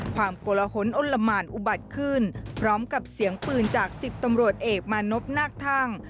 ความกละหละฮนอลละหมานอุบัติขึ้นพร้อมกับเสียงปืนจากสิบตำรวจเอกมานบนักท่าง